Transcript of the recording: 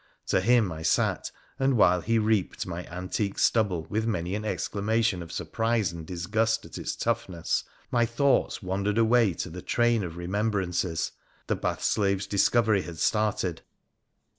To him I sat, and while he reaped my antique stubble, with many an exclamation of surprise and disgust at its tough ness, my thoughts wandered away to the train of remembrances the bath slave's discovery had started.